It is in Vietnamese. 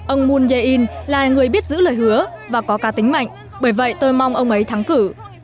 ông moon jae in là người biết giữ lời hứa và có ca tính mạnh bởi vậy tôi mong ông ấy thắng cử